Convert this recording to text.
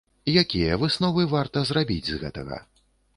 Якія высновы варта зрабіць з гэтага?